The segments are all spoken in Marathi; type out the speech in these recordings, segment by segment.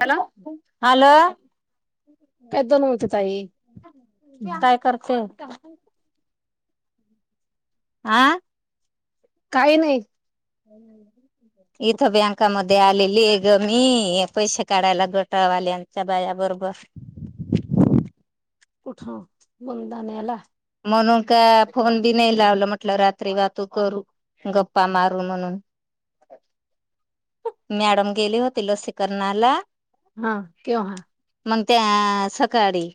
त्याला हॅलो काय नव्हतं ताई [unintelligible] काय करते आ काही नाही इथं बँकामध्ये आलेली ग मी पैसे काढायला गट वाल्यांच्या बाया बरोबर कुठ [inaudible] म्हणून का फोन बी नाही लावलं म्हटलं रात्री वाहतू करू गप्पा मारू म्हणून [unintelligible] मॅडम गेली होती लसीकरणाला हा क्यो हा मग त्या सकाळी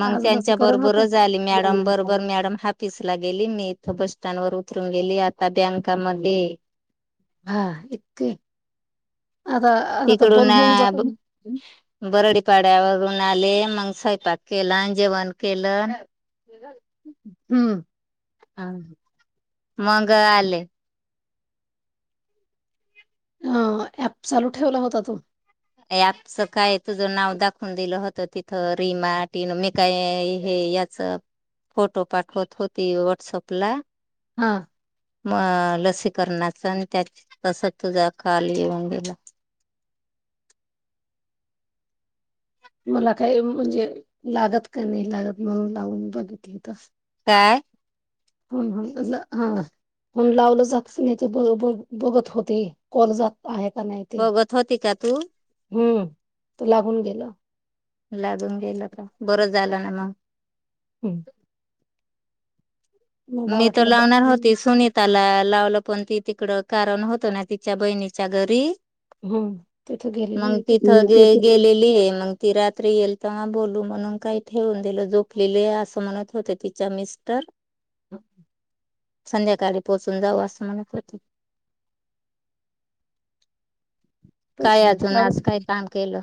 मग आज त्यांच्या लसीकरण होत बरोबरच आली मॅडम बरोबर मॅडम ऑफि गेली मी इथ बस स्टँड वर उतरून गेली आता बँकामध्ये हा इतके आता आता तर तिकडून बंद ना होऊन जात ना बरं पाड्यावरून आले मग स्वयंपाक केलं जेवण केलं हम्म ह मग आले ह ॲप चालू ठेवला होता तू आजच काय तुझं नाव दाखवून दिलं होतं तिथं रीमा टिन मे काय हे याचं फोटो पाठवत होती व्हॉट्सअपला हा म लसीकरणाच आणि त्या तस तुझा खल येऊन गेला [inaudible] मला काही म्हणजे लागत का नाही लागत म्हणून लावून बघितली तस काय हम हम हा पण लावलं जात नाही तर ब ब बघत होते कल जात आहेत बघत होती का तू हम्म तू लागून गेल लागून गेल का बरं झालं ना मग हम्म मला मी त लावणार वाटलं होती सुनीताला लाव पण ती तिकडं कारण होतं ना तिच्या बहिणीच्या घरी हो तिथं मग गेलेली इथे तिथं गे गेलेली आहे मग ती रात्री येईल तेव्हा बोलू म्हणून काही ठेवून दिलं झोपलेली असं म्हणत होते तिच्या मिस्टर ह संध्याकाळी पोहोचून जाऊ असं म्हणत होत तश काय अजून कास आज काय काम केलं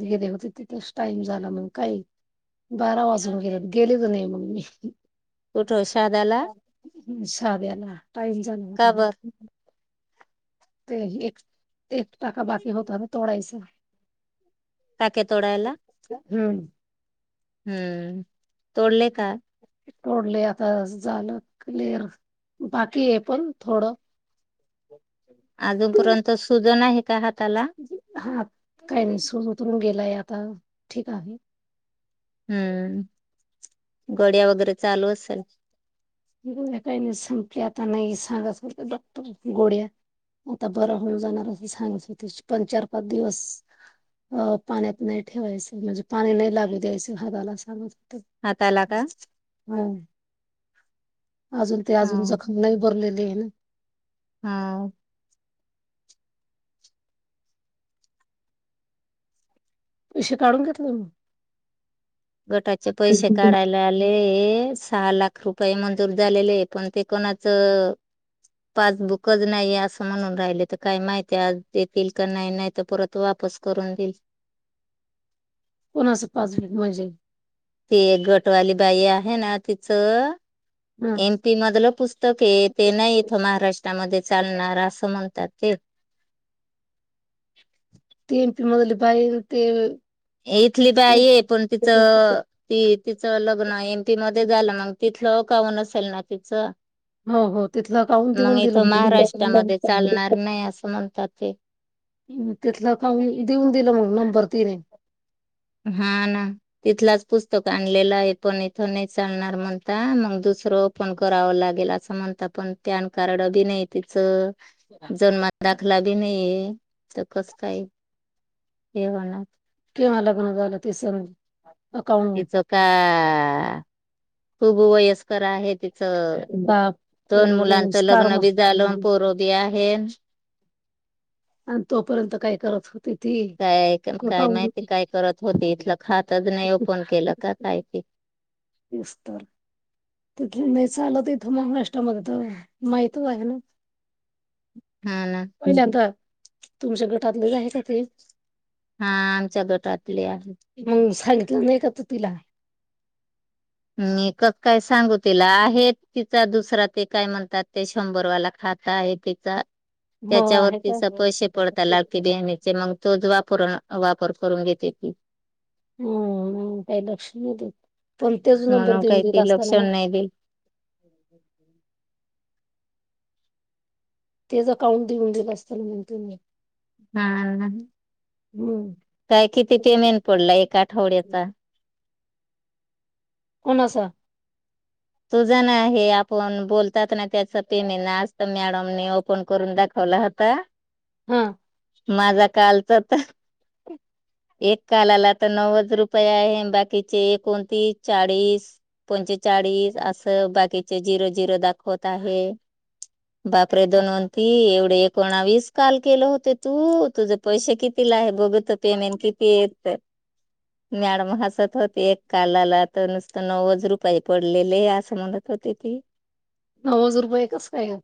गेले होते तिथंच टाईम झाला मग काही बारा वाजून गे गेले तर नाही मग मी कुठो शदाला हम् साध्याला टाईम झाला होता बर ते एक एक टाका बाकी होत तोडायचा पाके तोडायला हम्म हम्म तोडले का टोडले आता झालं क्लर बाकी आहे पण थोडं अजूनपर्यंत सुजन आहे का हात हा काही नाही सुर उतरून गेलाय आता ठीक आहे हम्म गड्या वगैरे चालू असेल काही नाही संक्यात नाही सांगा गोड्या आता बर होऊन जाणार असं सांगत होते पण चार पाच दिवस अ पाण्यात नाही ठेवायचं म्हणजे पाणी नाही लागू द्यायच हाताला सांगत होते. हाताला का हा अजून ते हा अजून जखम नाही भरलेले आहे ना हा पैसे काढून घेतले म गटाचे पैसे काढायला आले सहा लाख रुपये मंजूर झालेले पण ते कोणाचं पासबुकच नाही असं म्हणून राहिले तर काय माहित आज देतील का नाही नाही तर परत वाप पस करून देई कोणाच पाच मिनिट म्हणजे ती एक गटवाली बाई आहे ना तिचं हा एमपी मधलं पुस्तक आहे ते नाही इथं महाराष्ट्रामध्ये चालणार असं म्हणतात ते तमपी मदल बाई ते इथली बाई आहे पण तिचं ती तिचं लग्न एम पी मध्ये झालं मग तिथलं काहन असेल ना तिचं हो हो तिथलं काउून मग देऊन दिलं इथं तिथलं महाराष्ट्रामध्ये चालणार नाही असं म्हणतात ते का देऊन दिलं मग नंबर तिने हा ना तिथलाच पुस्तक आणलेलं आहे पण इथं नाही चालणार म्हणता मग दुस दुसर ओपन करा लागेल अस म्हणण प कार अ ज दाखला बी नाहीय तर कस काही हे म्हणार तेव्हा लग्न झालं ते सज तिचं का खूप वयस्कर आहे तर बाप दोन रे मुलांच स्टार लग्न बी झालं मग पोरो बी आहे आणि तोपर्यंत काय करत होत काय काय माहिती काय करत होती इथलं खातच नाही ओपन केलं का कायती तेस्तर तथ नाही चालत इथं महाराष्ट्रामध्ये तर माहितच आहे ना हा ना पहिल्यांदा तुमच्या गटातलेच आहे का ते हा आमच्या गटात मग सांगितलं नाही का तू तिला मी काय सांगू तिला आहे तिचा दुसरा ते काय म्हणतात ते शंभरवाला खा खाता आहे तिचा हो त्याच्यावर आहे का त पैशे पडता ला बेणी मग तो ण वापर करून घेते ती हम काही लक्ष नाही देत पण तेच नंबर म्हणून देऊन काही देत ती असताना लक्षण मग नाही दिल तेच अकाउंट देऊन गेत असताना म्हणतो मी हम् हम्म काय किती पेमेंट पडला एक आठवड्याचा कोणाचा तुझ ना हे आपण बोलतात ना त्याच पेमेंत मॅडम ओपन करून दाखव कलाहता हा माझा कालच तर एक कालाला तर नव्वद रुपये आहे बाकीचे एकोणतीस चाळीस पं चाळीस असं बाकीचे झिरो झिरो दाखवत आहे बापरे! दोनवती एवढे एकोणावीस काल केलं होते तू तुझे पैसे किती? आहे बघत पेमेन किती? येतं मॅडम हसत होते. एक कालाला तर नुसतं नव्वद रुपये पडले. ले असं म्हणत होते ती नवज रुपये कसं काय का?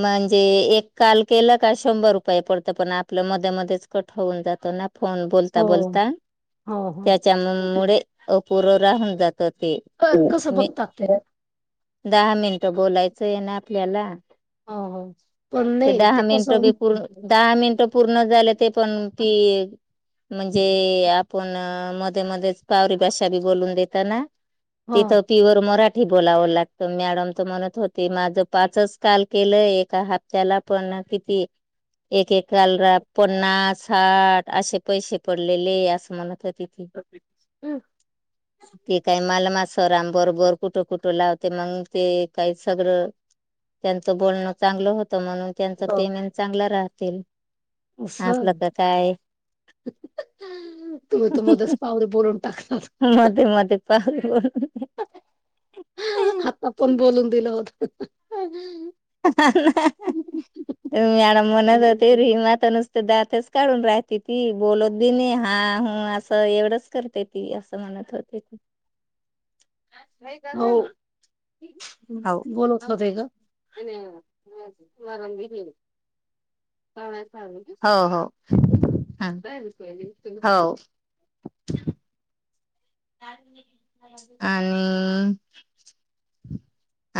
म्हणजे एक काल केलं का शंभर रुपये पडतं. पण आपल्या मध्ये मध्येच कट होऊन जातं ना फोन बोलता हो बोलता हो हो त्याच्या मुळे अपुर राहून जात. प ते क- कसं मी बघतात ते दहा मिनिटं बोलायचं आहे. ना आपल्याला [inaudible] ते दहा मिनिटं बी पूर्ण दहा मिनटं पूर्ण झाले. ते पण पी म्हणजे आपण मध्ये मध्येच पावरी भाषा बी बोलून दताना हा मराठी बोलावं लागतं मॅडम तुम्हाला म्हणत होती माझं पाचच काल केलं एका हप्ताला पण ना किती? एकेकालला पन्नास साठ असे पैसे पडलेले असं म्हणत तिथं ते काय मालमा सराम बरोबर कुठ कुठं लावते. मग ते काही सगळं त्यांचं बोलणं चांगलं होत तर म्हणून त्यांच पेमेंट चांगला राहतील असलं असं का काय तुम्ही तर मध्येच पाहलं बोलून टाकता हो आता पण बोलून दिल होत. मॅडम म्हणत होती रीमा तर दातचं काढून राहते. ती बोलत बी नाही हा ह असं एवढंच करते ती असं म्हणते हो हो बोलतलं ते का? नाही [unintelligible] हो हो हो [inaudible] ह [unintelligible] आणि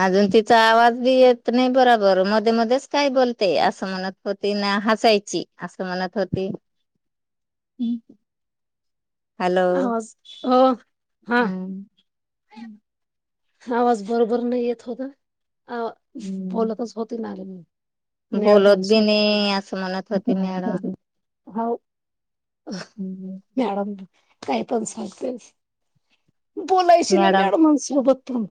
अजून तिचा आवाज बी येत नाही बरोबर मध्ये मध्येच काय बोलते असं म्हणत होती ना हसायची असं मणत होती हॅलो आवाज हो हा हम आवाज बरोबर नाही येत होता बोलतच होती ना म्याड बोलत बी माणसं नाही असं म्हणत होती मॅडम हो मॅडम काय पण सांगतेस बोलायची ना मॅडम मॅडमांसोबत पण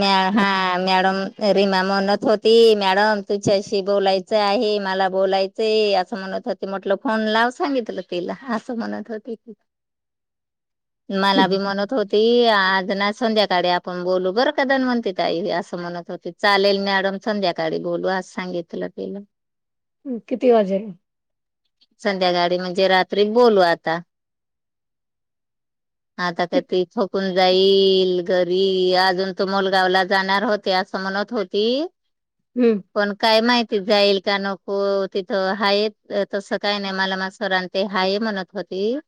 मॅ हा मॅडम रीमा म्हणत होती मॅडम तुझच्याशी बोलायचं आहे मला बोलायचंय असं म्हणत होते म्हटलं फोन लाव सांगितलं तिला असं म्हणत होते की [inaudible] मला बी म्हणत होती आज ना संध्याकाळी आपण बोलू बरं दान म्हणते तई असं म्हणत होते चालेल मॅडम संध्याकाळी बोलू अस सांगितलं तिला किती वाजे संध्याकाळी म्हणजे रात्री बोलू आता आता का ते थकून जाईल घरी अजून त मुलगाव ला जाणार होते असं म्हणत होती हम्म पण काय माहिती जाईल का नको तिथं हाय तसं काय नाही मला मा स ते हाय म्हणत होती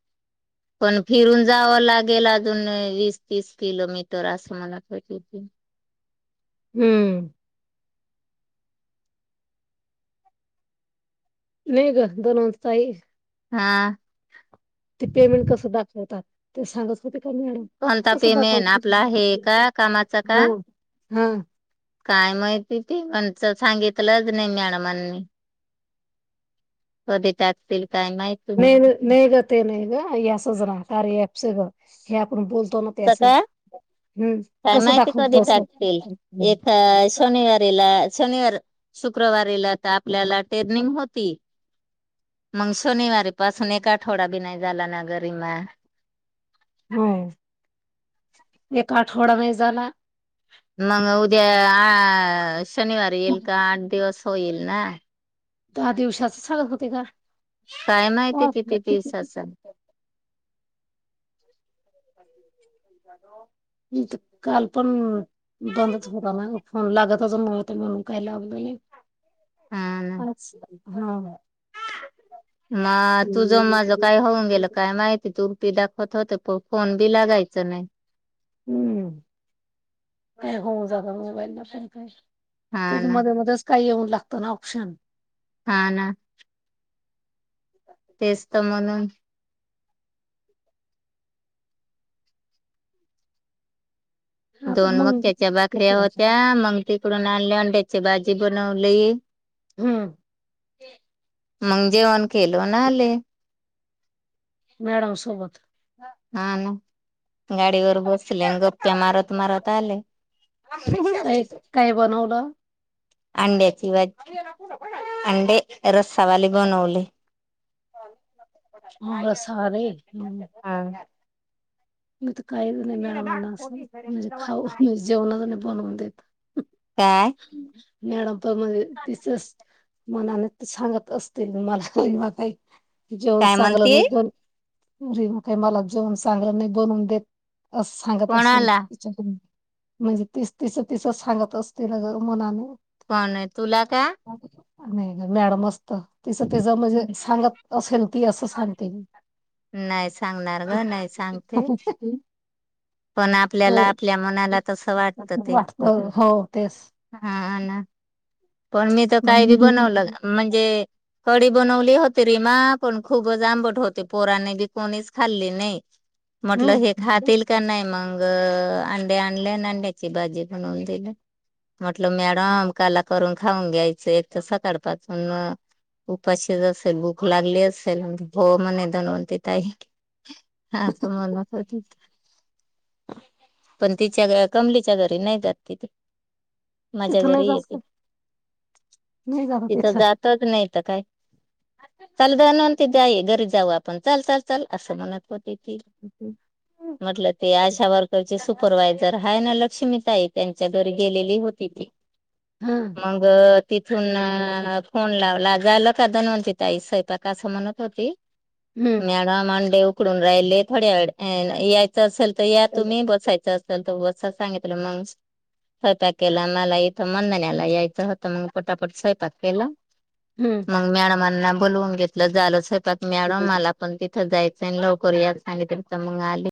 पण फिरून जावं लागेल अजून वीस तीस किलोमीटर असं मला ह हम्म नाही ग दोन वं तई हा ते पेमेंट कस दाखवतात ते सांगत होते कन कोणता त सुबा पेमेंट कत आपला हे का कामाचा हा का हा काय माहिती ते पण सांगितलंच नाही मॅडमांनी अ ते नाही नाही ग ते नाही ग सजरा स ऍप ग हे आपण बोलतो ना का त्याचे काय माहिती कधी टाकतील एका शनिवारीला शनिवार शुक्रवारीला तर आपल्याला टेनिंग होती मग शोनिवारी पासून एक आठवडा बि नाही झाला ना गरीमा हम एक आठवडा नाही झाला मग उद्या अ शनिवार येईल का आठ दिवस होईल ना दहा दिवसाच चालत होते का काय माहिती किती दिस असच ह काल पण बंदच होता ना फोन लागतच म्हणून काय लागलं नाही हा म तुझं माझ काय होऊन हा गेलं काय माहिती तू उरटी दाखवत होते फोन बी लागायच नाही हम्म होऊ जा म प का हा त ना मध्ये मध्येच काही येऊन लागत ना ऑप्शन हा ना तेतम म्हण आता दोन मग मक्याच्या भाकऱ्या होत्या मग तिकडून आणल्या अंड्याची भाजी बनवली हम्म मग जेवण केलो ना आले मॅडम सोबत हा ना गाडीवरर बसले आणि गप्च्या मारत मारत आले का काय बनवलं अंड्याची भाज अडे रज सवाल ब नवली मग सारे हं. हा मी तर काहीच नाही मॅडमना असं म्हणजे खाऊ म्हणजे जेवणाच नाही बनवून देत काय मॅडमप मध्ये तसच मनाने ते सांगत असतील मला बा काही जेवण काय चांगलं म्हणते नाही बरी म काही मला जेवण चांगलं नाही बनवून देत अस सांगत असेल कोणाला तिच्याक म्हणजे तीस तिस तिसच सांगत असतील ना मनाने पण तुला का नाही नाही मॅडम असत तिच तिचं म्हणजे सांगत असेल ती असं सांगते मी नाही सांगणार ग नाही सांगते. पण अ आपल्याला आपल्या मनाला तसं वाटतं ते वा हो तेच हा ना पण मी तर काही बी बनवलं म्हणजे हडी बनवली होती रीमा पण खूपच आंबट होते पोराने बी कोणीच खाल्ली नाही म्हटलं हम्म हे खातील का नाही मग मग अंडे्या आणले आणि अंड्याची भाजी बनवून दिली म्हटलं मॅडम काला करून खाऊन घ्यायच एक तर सकाळ पाासून उपाशीच असेल भूक लागली असेल भ म्हणे जानवती तई हा तर मला अस वा पण तिच्या कमलीच्या घरी नाही जात तिथ माझ्या तिथं नाही घरी जास्त येते नाही जात तिथं जातच नाही काय ल जाणून ते दई घरी जाऊ आपण ल ल ल असं म्हणत होत हम्म म्हटलं ते आशा वर्करचे सुपरवायझर हय ना लक्ष्मीताई त्यांच्या घरी गेलेली होती ती मग तिथून कोन लावला जायला काद नव्हती तई स्वयपाका असं म्हणत होती हम्म मॅडम अंडे उकडून राहिले थोड्या व यायचं असेल तर या तुम्ही बसायचं असेल तर बसा सांगितलं मग स्वयपाक केलं मला इथं मंदनला यायचं होतं मग पटापट स्वयपाक केलं हम्म. मग मॅडमांना बोलवून घेतलं झालं स्पक मॅडम मला पण त तर जायचं लवकर या सांगली त तर मग आले